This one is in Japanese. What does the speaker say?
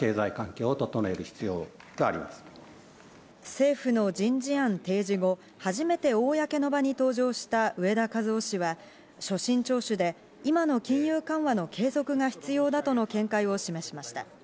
政府の人事案提示、初めて公の場に登場した植田和男氏は、所信聴取で今の金融緩和の継続が必要だとの見解を示しました。